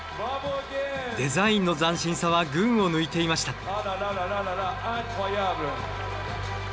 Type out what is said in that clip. デザインの斬新さは群を抜いていました。